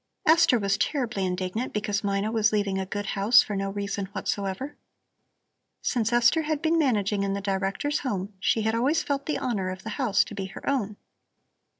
Esther was terribly indignant because Mina was leaving a good house for no reason whatsoever. Since Esther had been managing in the Director's home she had always felt the honor of the house to be her own.